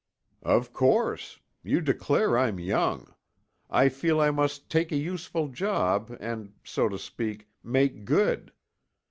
"Of course. You declare I'm young. I feel I must take a useful job and, so to speak, make good.